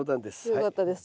よかったです